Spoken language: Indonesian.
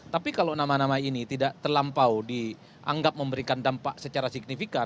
tapi kalau nama nama ini tidak terlampau dianggap memberikan dampak secara signifikan